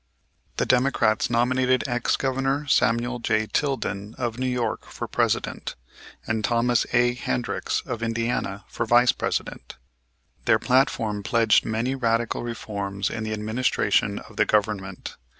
The Democrats nominated ex Governor Samuel J. Tilden, of New York, for President, and Thomas A. Hendricks, of Indiana, for Vice President. Their platform pledged many radical reforms in the administration of the government.